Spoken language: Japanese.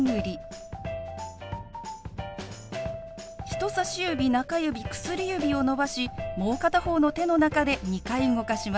人さし指中指薬指を伸ばしもう片方の手の中で２回動かします。